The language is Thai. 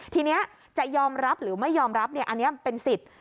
ทีนี้จะยอมรับหรือไม่ยอมรับอันนี้เป็นสิทธิ์